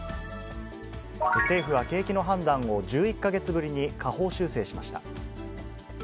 政府は景気の判断を１１か月ぶりに下方修正しました。